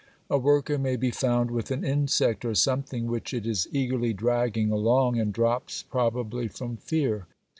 A worker may be found with an insect or something which it is eagerly dragging along and drops probably from fear.